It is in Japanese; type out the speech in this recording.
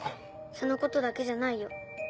そのことだけじゃないよ。